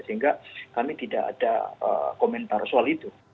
sehingga kami tidak ada komentar soal itu